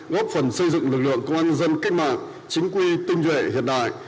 góp phần xây dựng lực lượng công an nhân dân cách mạng chính quy tinh nhuệ hiện đại